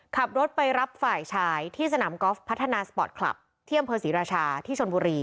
ขับรถไปรับฝ่ายชายที่สนามกอล์ฟพัฒนาสปอร์ตคลับที่อำเภอศรีราชาที่ชนบุรี